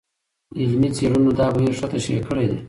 علمي څېړنو دا بهیر ښه تشریح کړی دی.